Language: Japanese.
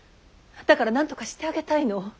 だからなんとかしてあげたいの。